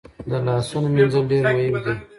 د لاسونو مینځل ډیر مهم دي۔